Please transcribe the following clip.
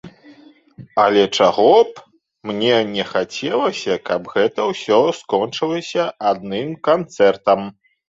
Але чаго б мне не хацелася, каб гэта ўсё скончылася адным канцэртам.